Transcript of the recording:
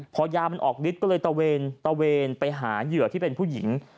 พอยามันออกฤทธิ์ก็เลยตะเวนไปหาเหยื่อที่เป็นผู้หญิง